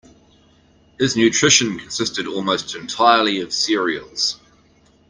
His nutrition consisted almost entirely of cereals.